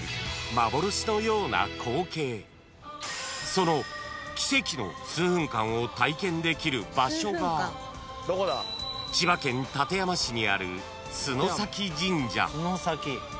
［その奇跡の数分間を体験できる場所が千葉県館山市にある洲崎神社］